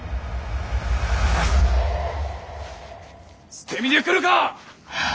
捨て身で来るか！